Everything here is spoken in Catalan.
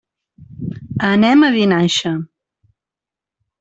Anem a Vinaixa.